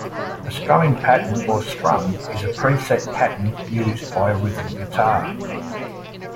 A strumming pattern or strum is a preset pattern used by a rhythm guitar.